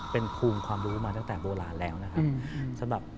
เป็นภูมิความรู้มาตั้งแต่โบราณแล้วนะครับ